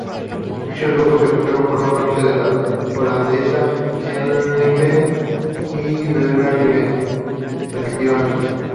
Dichos grupos cerveceros forman parte de la holandesa Heineken y la belga InBev, respectivamente.